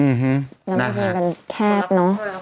เออหื้มน่าจะแคบเนอะ